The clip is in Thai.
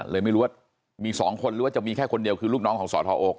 เลยไม่รู้ว่ามี๒คนหรือว่าจะมีแค่คนเดียวคือลูกน้องของสทอก